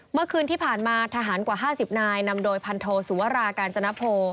เมื่อคืนที่ผ่านมาทหารกว่า๕๐นายนำโดยพันโทสุวรากาญจนโพ